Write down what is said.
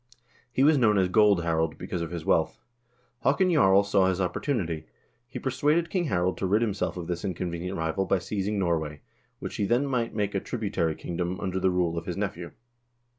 He was known as Gold Harald, because of his wealth. Haakon Jarl saw his opportunity. He persuaded King Harald to rid himself of this inconvenient rival by seizing Norway, which he then might make a tributary kingdom under the rule of his nephew.